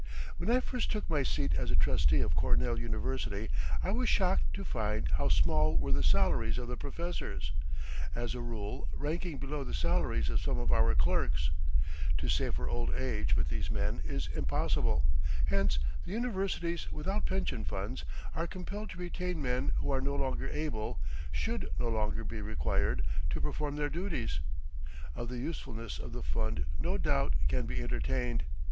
When I first took my seat as a trustee of Cornell University, I was shocked to find how small were the salaries of the professors, as a rule ranking below the salaries of some of our clerks. To save for old age with these men is impossible. Hence the universities without pension funds are compelled to retain men who are no longer able, should no longer be required, to perform their duties. Of the usefulness of the fund no doubt can be entertained.